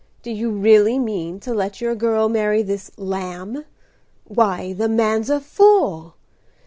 Do you really mean to let your girl marry this Lamb? Why, the man's a fool!"